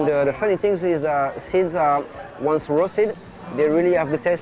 dan hal lucu adalah buah buahan setelah digoreng mereka benar benar memiliki rasa kacang